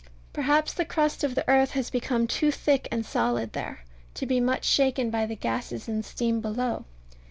Perhaps the crust of the earth has become too thick and solid there to be much shaken by the gases and steam below.